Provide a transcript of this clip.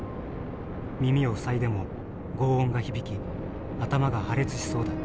耳を塞いでもごう音が響き頭が破裂しそうだった」。